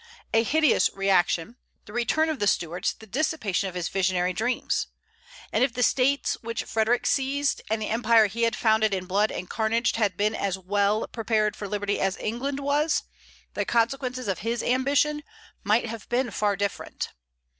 a hideous reaction, the return of the Stuarts, the dissipation of his visionary dreams. And if the states which Frederic seized, and the empire he had founded in blood and carnage had been as well prepared for liberty as England was, the consequences of his ambition might have been far different.